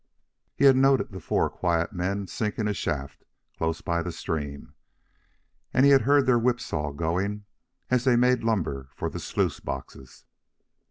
He had noted the four quiet men sinking a shaft close by the stream, and he had heard their whip saw going as they made lumber for the sluice boxes.